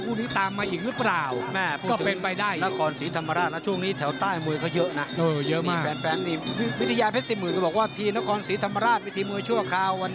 คู่นี้ตามมาอีกหรือเปล่า